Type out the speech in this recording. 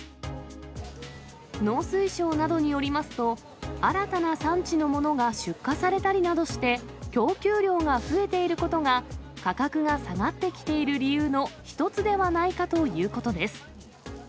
農水省などによりますと、新たな産地のものが出荷されたりするなどして、供給量が増えていることが、価格が下がってきている理由の１つではないかということです。